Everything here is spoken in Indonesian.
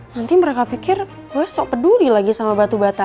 nanti mereka pikir gue so peduli lagi sama batu bata